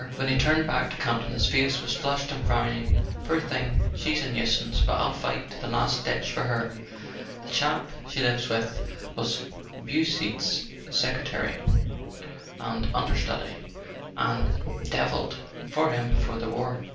When he turned back to Campton his face was flushed and frowning. "Poor thing! She's a nuisance, but I'll fight to the last ditch for her. The chap she lives with was Beausite's secretary and understudy, and devilled for him before the war.